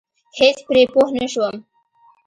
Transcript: هېڅ پرې پوه نشوم.